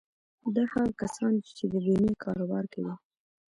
دا هغه کسان دي چې د بيمې کاروبار کوي.